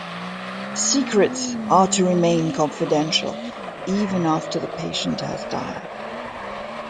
Secrets are to remain confidential even after the patient has died.